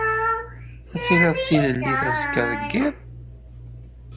Ad tilid d tilellit azekka deg yiḍ?